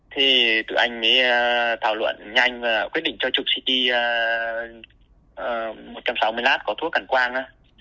thì từ anh mới thảo luận nhanh và quyết định cho chụp ct một trăm sáu mươi lát có thuốc cảnh quang